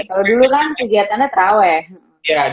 kalau dulu kan kegiatannya terawih